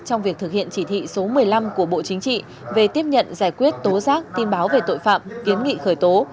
trong việc thực hiện chỉ thị số một mươi năm của bộ chính trị về tiếp nhận giải quyết tố giác tin báo về tội phạm kiến nghị khởi tố